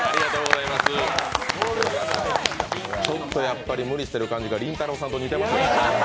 ちょっと無理している感じがりんたろーさんと似ていますね。